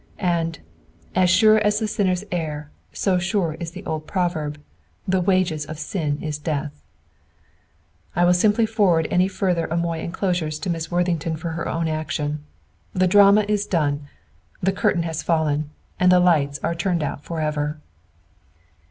"And, as sure as the sinner errs, so sure is that old proverb, 'THE WAGES OF SIN IS DEATH!' "I will simply forward any further Amoy enclosures to Miss Worthington for her own action. The drama is done, the curtain has fallen, and the lights are turned out forever!"